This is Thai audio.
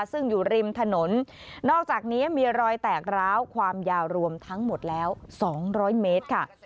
ซึ่งอยู่ริมถนนนอกจากนี้มีรอยแตกร้าวความยาวรวมทั้งหมดแล้ว๒๐๐เมตรค่ะ